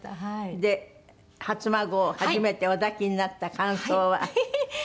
で初孫を初めてお抱きになった感想はどんな？